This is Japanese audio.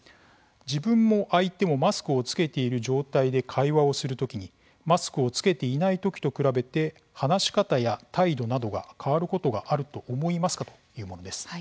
自分も相手もマスクを着けている状態で会話をする時にマスクを着けていない時と比べて話し方や態度などが変わることがあると思いますかというものです。